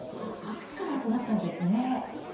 各地から集まったんですね。